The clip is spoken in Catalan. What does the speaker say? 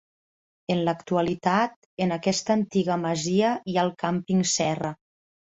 En l'actualitat, en aquesta antiga masia hi ha el Càmping Serra.